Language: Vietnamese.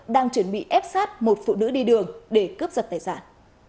đang chuẩn bị ép sát một phụ nữ đi đường để cướp giật tài sản